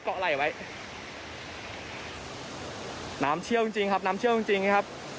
ไหล่ไว้น้ำเชี่ยวจริงจริงครับน้ำเชี่ยวจริงจริงครับ